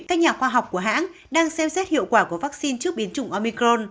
các nhà khoa học của hãng đang xem xét hiệu quả của vaccine trước biến chủng omicron